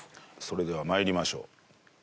それでは参りましょう。